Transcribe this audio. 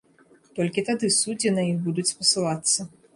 Толькі тады суддзі на іх будуць спасылацца.